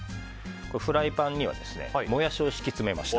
フライパンにはモヤシを敷き詰めました。